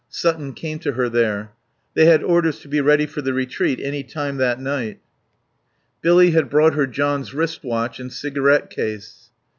Sutton came to her there. They had orders to be ready for the retreat any time that night. Billy had brought her John's wrist watch and cigarette case.